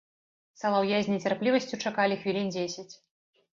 Салаўя з нецярплівасцю чакалі хвілін дзесяць.